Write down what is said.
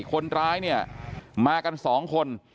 คนร้ายเนี่ยมากัน๒คน